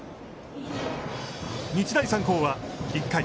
日大三高は１回。